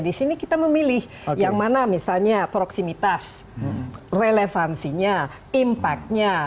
di sini kita memilih yang mana misalnya proximitas relevansinya impactnya